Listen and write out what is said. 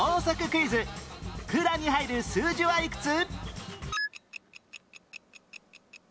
空欄に入る数字はいくつ？